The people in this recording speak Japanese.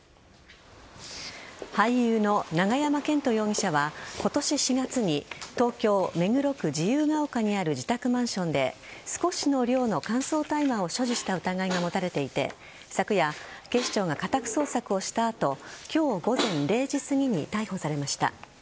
俳優の永山絢斗容疑者は今年４月に東京・目黒区自由が丘にある自宅マンションで少しの量の乾燥大麻を所持した疑いが持たれていて昨夜、警視庁が家宅捜索をした後今日、午前０時過ぎに逮捕されました。